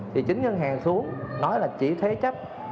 thì chính ngân hàng xuống nói là chỉ thế chấp